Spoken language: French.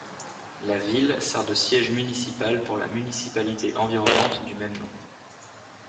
La ville sert de siège municipal pour la municipalité environnante du même nom.